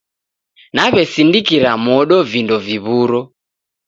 Nawesindikira modo vindo viw'uro.